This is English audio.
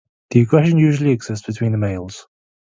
The aggression usually exists between the males.